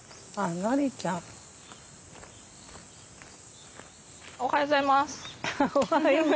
フフッおはようございます。